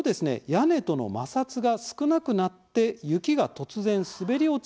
屋根との摩擦が少なくなって雪が突然、滑り落ちるわけです。